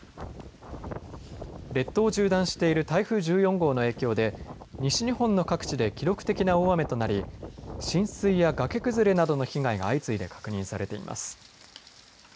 列島を縦断している台風１４号の影響で西日本の各地で記録的な大雨となり浸水や崖崩れなどの被害が相次いで確認されています。